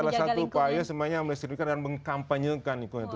salah satu upaya sebenarnya melestarikan dan mengkampanyekan lingkungan itu